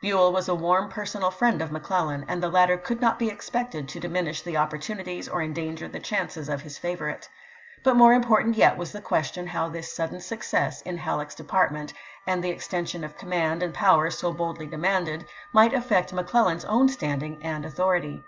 Buell was a warm personal friend of McClellan, and the latter could not be expected to diminish the op portunities or endanger the chances of his favorite. But more important yet was the question how this sudden success in Halleck's department, and the extension of command and power so boldly de manded, might affect McClellan's own standing and authority.